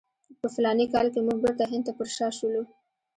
په فلاني کال کې موږ بیرته هند ته پر شا شولو.